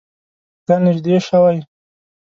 دا نژدې شوی؟